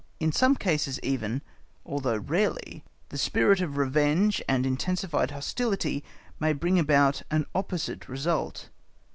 In some cases, even, although rarely, the spirit of revenge and intensified hostility may bring about an opposite result.